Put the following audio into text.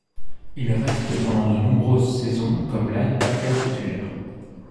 Il reste pendant de nombreuses saisons comme linebacker titulaire.